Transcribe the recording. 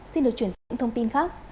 xin được chuyển sang những thông tin khác